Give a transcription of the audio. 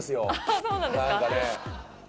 あっそうなんですか。